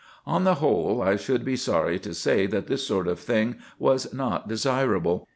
On the whole, I should be sorry to say that this sort of thing was not desirable.